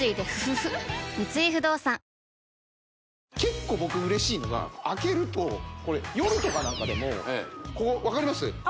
三井不動産結構僕嬉しいのが開けると夜とかなんかでもこう分かります？